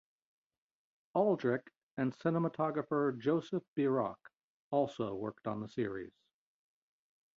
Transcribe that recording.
Aldrich and cinematographer Joseph Biroc also worked on the series.